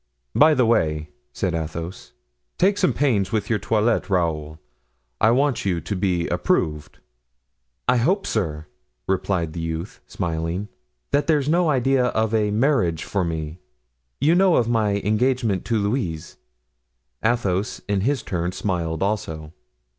"By the way," said Athos, "take some pains with your toilet, Raoul; I want you to be approved." "I hope, sir," replied the youth, smiling, "that there's no idea of a marriage for me; you know of my engagement to Louise?" Athos, in his turn, smiled also.